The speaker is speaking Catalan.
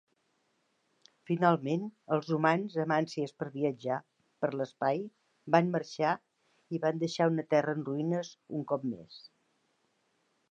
Finalment, els humans amb ànsies per viatjar per l'espai van marxar i van deixar una Terra en ruïnes un cop més.